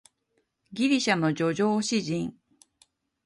ギリシャの叙情詩人